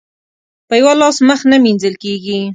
په يوه لاس مخ نه مينځل کېږي.